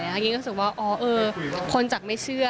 อย่างนี้ก็รู้สึกว่าคนจากไม่เชื่อ